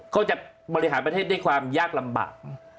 ก็จะบริหารประเทศด้วยความยากลำบาก